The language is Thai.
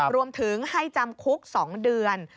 รวมถึงให้จำคุก๒เดือน